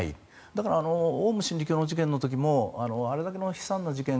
だからオウム真理教の事件の時もあれだけの悲惨な事件